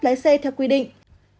lấy c theo quy định